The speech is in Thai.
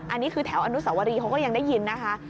อันนี้คือแถวอนุสวรีเขาก็ยังได้ยินนะคะ